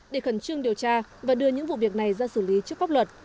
để khẩn trương điều tra và đưa những vụ việc này ra xử lý trước pháp luật